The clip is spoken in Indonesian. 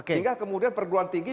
sehingga kemudian perguruan tinggi